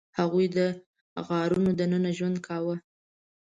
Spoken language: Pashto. هغوی د غارونو دننه ژوند کاوه.